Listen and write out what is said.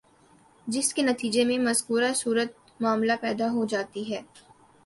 جس کے نتیجے میں مذکورہ صورتِ معاملہ پیدا ہو جاتی ہے